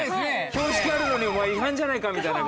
標識があるのに、お前違反じゃないかみたいな。